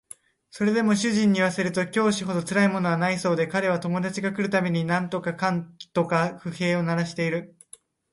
それでも主人に言わせると教師ほどつらいものはないそうで彼は友達が来る度に何とかかんとか不平を鳴らしている